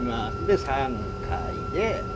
で３回で。